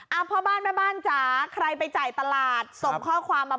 พ่อบ้านแม่บ้านจ๋าใครไปจ่ายตลาดส่งข้อความมา